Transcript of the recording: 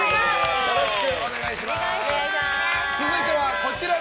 よろしくお願いします。